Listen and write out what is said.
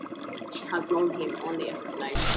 She has known him only a fortnight.